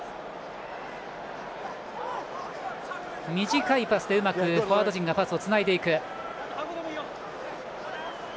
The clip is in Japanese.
短いパスでうまくフォワード陣がパスをつないでいく。